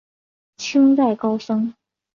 清代高僧。